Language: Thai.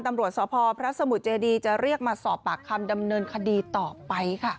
ตำรวจสพพระสมุทรเจดีจะเรียกมาสอบปากคำดำเนินคดีต่อไปค่ะ